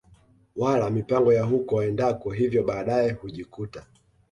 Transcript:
wala mipango ya huko waendako hivyo baadae hujikuta